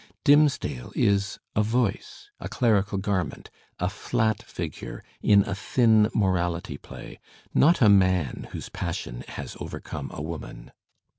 Dimmesdale is a voice, a clerical garment, a flat figure in a thin morality play, not a man whose passion has overcome a woman.